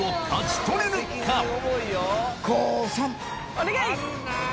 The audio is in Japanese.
お願い！